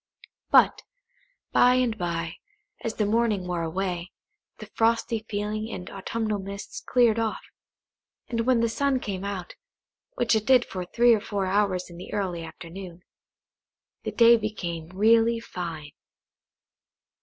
But, by and by, as the morning wore away, the frosty feeling and autumnal mists cleared off; and when the sun came out, which it did for three or four hours in the early afternoon, the day became really fine.